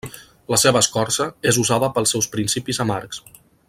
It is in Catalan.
La seva escorça és usada pels seus principis amargs.